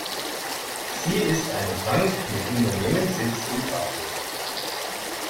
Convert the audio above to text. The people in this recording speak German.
Sie ist eine Bank mit Unternehmenssitz in Dublin.